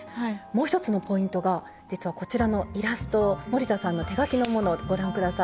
もう一つのポイントが実はこちらのイラスト森田さんの手描きのものをご覧下さい。